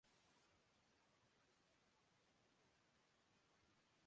اور ان ظالموں کو باز رکھنے